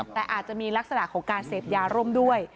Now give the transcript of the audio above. แต่อาจจะมีลักษณะของการเสพยาร่มด้วย